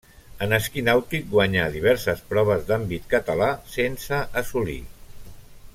En esquí nàutic guanyà diverses proves d'àmbit català sense assolir.